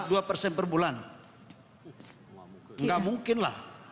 dua persen per bulan nggak mungkin lah